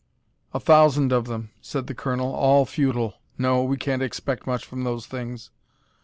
"A thousand of them," said the colonel, "all futile. No, we can't expect much from those things.